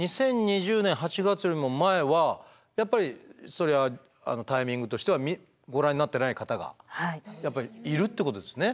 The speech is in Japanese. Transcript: ２０２０年８月よりも前はやっぱりそれはタイミングとしてはご覧になってない方がやっぱりいるってことですね。